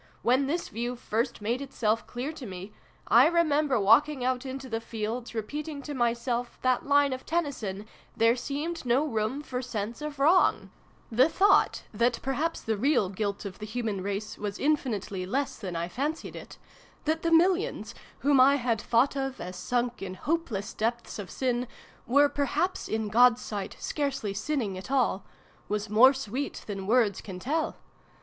When this view first made itself clear to me, I remember walking out into the fields, re peating to myself that line of Tennyson ' There seemed no room for sense of wrong !' The 126 SYLVIE AND BRUNO CONCLUDED. thought, that perhaps the real guilt of the human race was infinitely less than I fancied it that the millions, whom I had thought of as sunk in hopeless depths of sin, were per haps, in God's sight, scarcely sinning at all was more sweet than words can tell